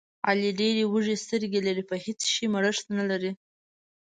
علي ډېرې وږې سترګې لري، په هېڅ شي مړښت نه لري.